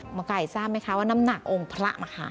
หมอไก่ทราบไหมคะว่าน้ำหนักองค์พระมหา